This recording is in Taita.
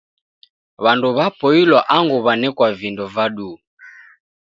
W'andu w'apoilwa angu w'anekwa vindo va duu.